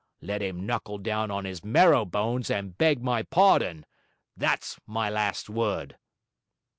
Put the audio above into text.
Let him knuckle down on his marrow bones and beg my pardon. That's my last word.'